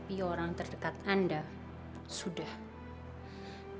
iya dia harus mati